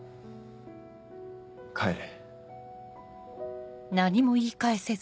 帰れ。